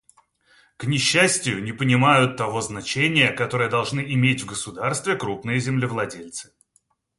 К несчастию, не понимают того значения, которое должны иметь в государстве крупные землевладельцы.